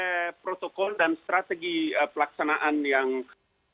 ya ada protokol dan strategi pelaksanaan gelombang kedua